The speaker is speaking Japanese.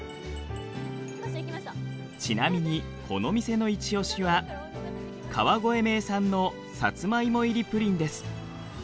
ちなみにこの店のイチオシは川越名産のサツマイモ入りプリンです。